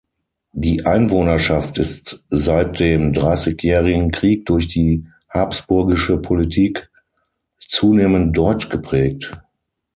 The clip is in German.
Die Einwohnerschaft ist seit dem Dreißigjährigen Krieg durch die Habsburgische Politik zunehmend deutsch geprägt.